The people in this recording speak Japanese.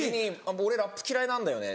「俺ラップ嫌いなんだよね」